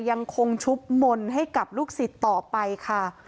ยังคงชุบมนต์ให้กับลูกศิษย์ต่อไปค่ะ